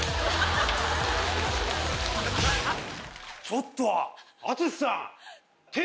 ちょっと！